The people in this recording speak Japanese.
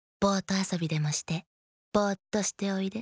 あそびでもしてボーッとしておいで。